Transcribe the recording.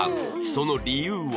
その理由は